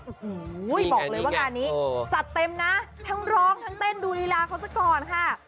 โอ้โหบอกเลยว่างานนี้จัดเต็มนะทั้งร้องทั้งเต้นดูลีลาเขาซะก่อนค่ะ